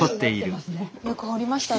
よく掘りましたね。